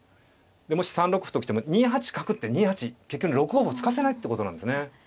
もし３六歩と来ても２八角って２八結局ね６五歩突かせないってことなんですね。